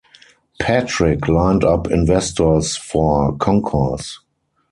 Patrick lined up investors for Concourse.